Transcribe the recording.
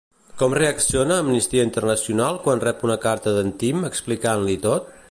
Com reacciona Amnistia Internacional quan rep una carta d'en Tim explicant-li tot?